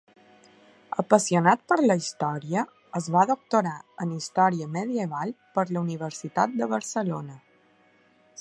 Apassionat per la història, es va doctorar en història medieval per la Universitat de Barcelona.